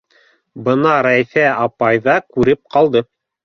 Быны Рәйфә апай ҙа күреп ҡалды.